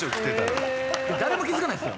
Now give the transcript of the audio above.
誰も気付かないっすよ。